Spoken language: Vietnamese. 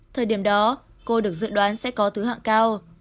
thời điểm đó cô được dự đoán sẽ có thứ hạng cao